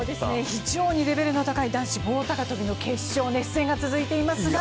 非常にレベルの高い男子棒高跳の決勝が続いていますが。